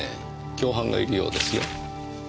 共犯がいるようですよ。